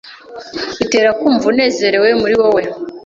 bitera kumva unezerewe muri wowe